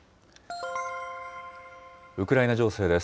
ウクライナ情勢です。